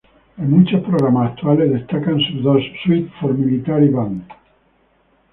En muchos programas actuales destacan sus dos "Suites for Military Band".